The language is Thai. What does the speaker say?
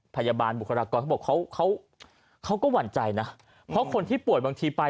บุคลากรเขาบอกเขาเขาก็หวั่นใจนะเพราะคนที่ป่วยบางทีไป